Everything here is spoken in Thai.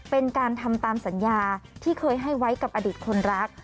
เป็นการทำตามสัญญาที่เคยให้ไว้กับอดีตคนรัก